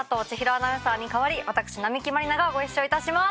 アナウンサーに代わり私並木万里菜がご一緒致します。